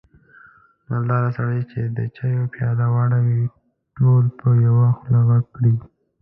مالداره سړی چې د چایو پیاله واړوي، ټول په یوه خوله غږ کړي.